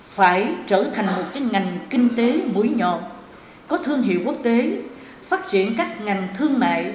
phải trở thành một ngành kinh tế mũi nhọt có thương hiệu quốc tế phát triển các ngành thương mại